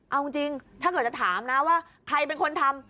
เอาจริงถ้าเกิดจะถามนะว่าใครเป็นคนทำ